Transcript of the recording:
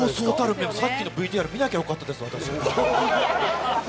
さっきのＶＴＲ見なきゃよかったです。